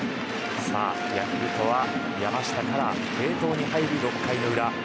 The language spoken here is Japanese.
ヤクルトは山下から継投に入る６回の裏。